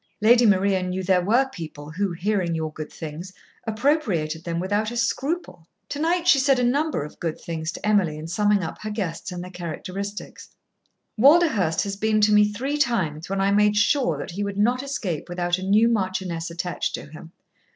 Lady Maria knew there were people who, hearing your good things, appropriated them without a scruple. To night she said a number of good things to Emily in summing up her guests and their characteristics. "Walderhurst has been to me three times when I made sure that he would not escape without a new marchioness attached to him.